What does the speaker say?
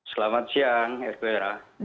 selamat siang eka